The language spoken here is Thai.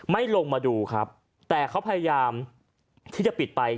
ลงมาดูครับแต่เขาพยายามที่จะปิดไป